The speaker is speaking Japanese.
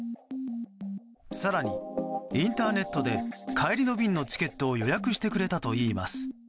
更に、インターネットで帰りの便のチケットを予約してくれたといいます。